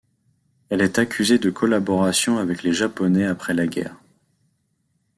Elle est accusée de collaboration avec les Japonais après la guerre.